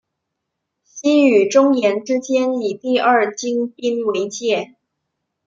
西与中延之间以第二京滨为界。